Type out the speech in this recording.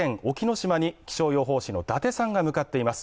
島に気象予報士の達さんが向かっています。